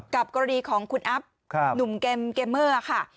กรณีของคุณอัพหนุ่มเกมเมอร์ค่ะ